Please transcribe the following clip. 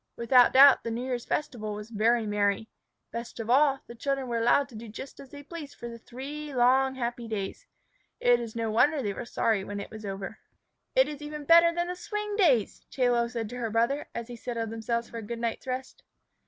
Without doubt the New Year's festival was very merry. Best of all, the children were allowed to do just as they pleased for the three long, happy days. It is no wonder they were sorry when it was over. "It is even better than the Swing Days," Chie Lo said to her brother, as they settled themselves for a good night's rest.